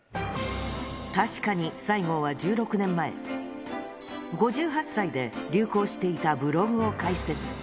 確かに西郷は１６年前、５８歳で流行していたブログを開設。